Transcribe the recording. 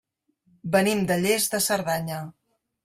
Venim de Lles de Cerdanya.